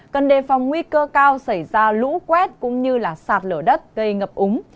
cần đề phòng nguy cơ cao xảy ra lũ quét cũng như sạt lửa đất cây ngập úng